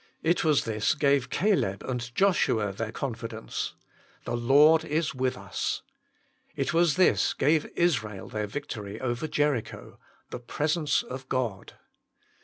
" It was this gave Caleb and Joshua their confidence : The Lord is with us. It was this gave Israel their vic tory over Jericho : the presence of God.